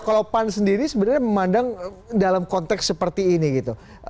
kalau pan sendiri sebenarnya memandang dalam konteks seperti ini gitu